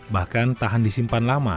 bahkan tahan disimpan lama